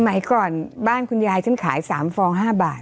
สมัยก่อนบ้านคุณยายฉันขาย๓ฟอง๕บาท